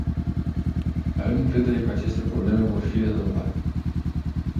Avem încredere că aceste probleme vor fi rezolvate.